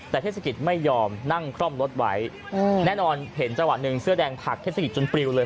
แต่เทศกิจไม่ยอมนั่งคล่อมรถไว้แน่นอนเห็นจังหวะหนึ่งเสื้อแดงผลักเทศกิจจนปลิวเลย